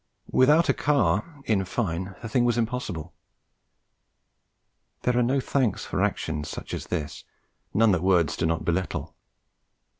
Without a car, in fine, the thing was impossible. There are no thanks for actions such as this: none that words do not belittle.